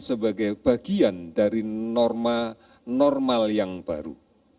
sebagai bagian dari norma normal yang baru